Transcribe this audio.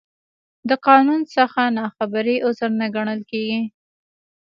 د قانون څخه نا خبري، عذر نه ګڼل کېږي.